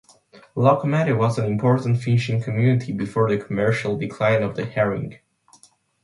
Lochmaddy was an important fishing community before the commercial decline of the herring.